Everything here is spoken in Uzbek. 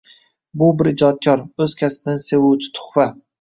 Bu bir ijodkor, oʻz kasbini sevuvchidan tuhfa.